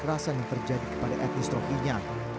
kekerasan yang terjadi kepada etnis rokinya